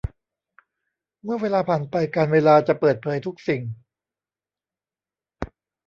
เมื่อเวลาผ่านไปกาลเวลาจะเปิดเผยทุกสิ่ง